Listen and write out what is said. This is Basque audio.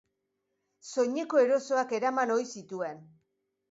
Soineko erosoak eraman ohi zituen.